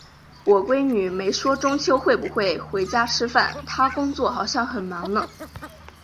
我闺女没说中秋会不会回家吃饭，她工作好像很忙呢。